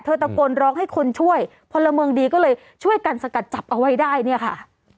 ตะโกนร้องให้คนช่วยพลเมืองดีก็เลยช่วยกันสกัดจับเอาไว้ได้เนี่ยค่ะ